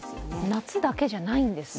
夏だけじゃないんですね。